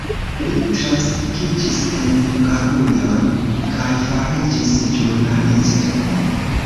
Li translokiĝis en Hungarujon kaj fariĝis ĵurnalisto.